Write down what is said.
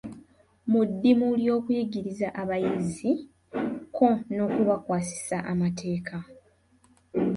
Mu ddimu ly’okuyigiriza abayizi kko n’okubakwasisa amateeka.